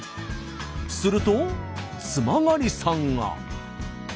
すると津曲さんが。